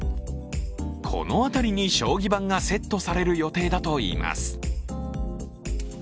この辺りに将棋盤がセットされる予定だといいます。